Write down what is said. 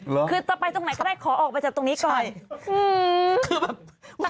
คือจะไปตรงไหนก็ได้ขอออกไปจากตรงนี้ก่อนอืม